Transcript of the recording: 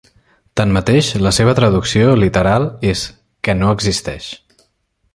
Tanmateix, la seva traducció literal és Que no existeix.